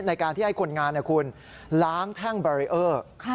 ในการที่ให้คนงานคุณล้างแท่งบารีเออร์